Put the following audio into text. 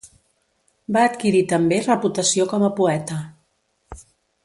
Va adquirir també reputació com a poeta.